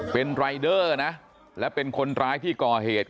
เป็นรายเดอร์นะและเป็นคนร้ายที่ก่อเหตุ